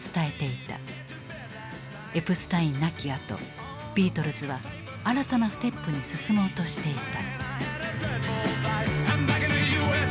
エプスタイン亡きあとビートルズは新たなステップに進もうとしていた。